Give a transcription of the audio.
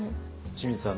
清水さん